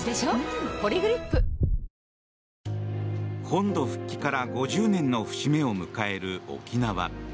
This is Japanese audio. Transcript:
本土復帰から５０年の節目を迎える沖縄。